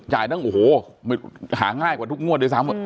หาง่ายกว่าทุกงวดเลยซ้ำ